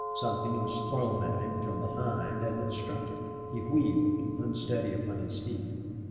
Something was thrown at him from behind and it struck him. He wheeled, unsteady upon his feet.